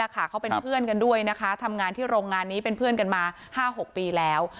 เขาเป็นเพื่อนกันด้วยนะคะทำงานที่โรงงานนี้เป็นเพื่อนกันมา๕๖ปีแล้ว